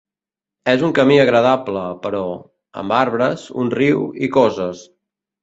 És un camí agradable, però, amb arbres, un riu i coses.